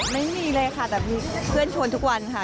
ไม่มีเลยค่ะแต่มีเพื่อนชนทุกวันค่ะ